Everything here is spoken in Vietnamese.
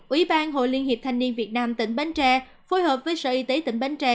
ủy ban hội liên hiệp thanh niên việt nam tỉnh bến tre phối hợp với sở y tế tỉnh bến tre